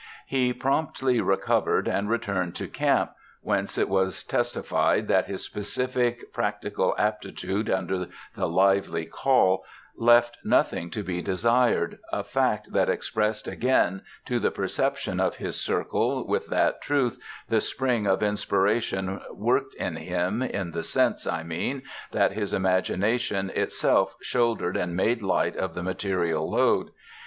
He promptly recovered and returned to camp, whence it was testified that his specific practical aptitude, under the lively call, left nothing to be desired a fact that expressed again, to the perception of his circle, with what truth the spring of inspiration worked in him, in the sense, I mean, that his imagination itself shouldered and made light of the material load.